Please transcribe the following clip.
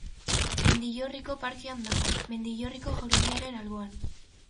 Mendillorriko parkean dago, Mendillorriko jauregiaren alboan.